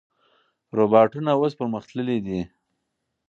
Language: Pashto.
روباټونه اوس پرمختللي دي.